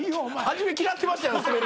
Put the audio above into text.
初め嫌ってましたよ。